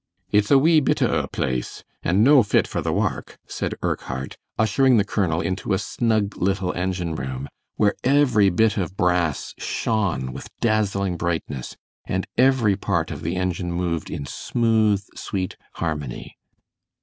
"It's a wee bit o' a place, an' no fit for the wark," said Urquhart, ushering the colonel into a snug little engine room, where every bit of brass shone with dazzling brightness, and every part of the engine moved in smooth, sweet harmony.